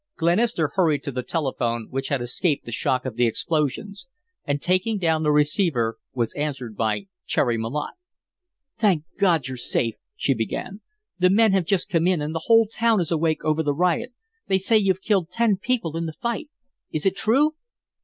Glenister hurried to the building, which had escaped the shock of the explosions, and, taking down the receiver, was answered by Cherry Malotte. "Thank God, you're safe," she began. "The men have just come in and the whole town is awake over the riot. They say you've killed ten people in the fight is it true?"